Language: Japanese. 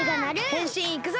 へんしんいくぞ！